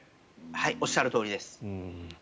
おっしゃるとおりです。